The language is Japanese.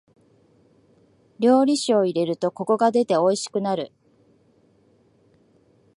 料理酒を入れるとコクが出ておいしくなる。